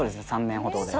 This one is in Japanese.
３年ほどで。